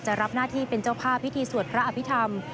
รับหน้าที่เป็นเจ้าภาพพิธีสวดพระอภิษฐรรม